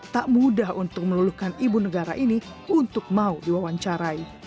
tak mudah untuk meluluhkan ibu negara ini untuk mau diwawancarai